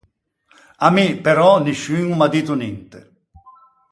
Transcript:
À mi, però, nisciun o m’à dito ninte.